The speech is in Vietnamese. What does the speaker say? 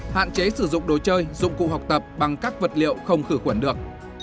hạn chế sử dụng đồ chơi dụng cụ học tập bằng các vật liệu không khử khuẩn được